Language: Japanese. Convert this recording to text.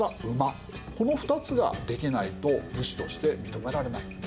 この２つができないと武士として認められない。